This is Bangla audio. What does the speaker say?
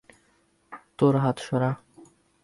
তোর হাত সরা।